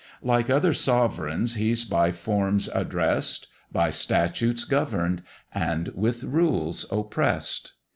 Like other sovereigns he's by forms address'd, By statutes governed and with rules oppress'd.